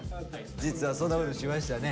実はそんなことしましたね。